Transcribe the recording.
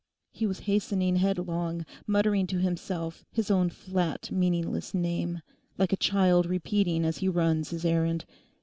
He was hastening headlong, muttering to himself his own flat meaningless name, like a child repeating as he runs his errand.